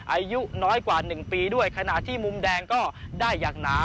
อายุน้อยกว่า๑ปีด้วยขณะที่มุมแดงก็ได้อย่างหนา